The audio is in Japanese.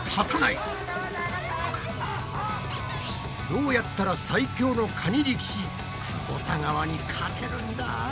どうやったら最強のカニ力士くぼた川に勝てるんだ？